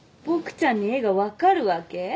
ボクちゃんに絵が分かるわけ？